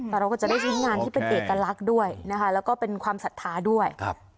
แต่เราก็จะได้ชิ้นงานที่เป็นเอกลักษณ์ด้วยนะคะแล้วก็เป็นความศรัทธาด้วย